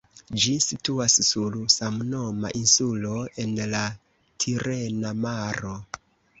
Ĝi situas sur samnoma insulo en la Tirena Maro.